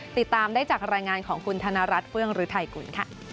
ติดตามได้จากรายงานของคุณธนรัฐเฟืองรือไทยกุล